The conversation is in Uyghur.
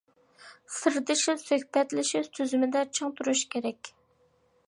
سىردىشىش، سۆھبەتلىشىش تۈزۈمىدە چىڭ تۇرۇش كېرەك.